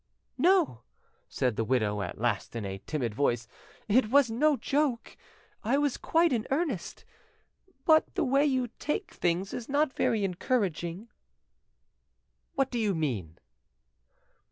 "No," said the widow at last in a timid voice, "it was no joke; I was quite in earnest. But the way you take things is not very encouraging." "What do you mean?"